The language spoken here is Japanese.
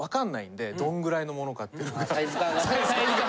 サイズ感がね。